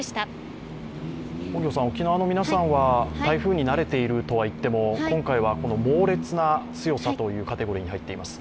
沖縄の皆さんは台風に慣れているとはいえ今回は猛烈な強さというカテゴリーに入っています。